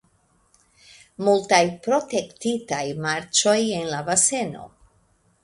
Multaj protektitaj marĉoj en la baseno.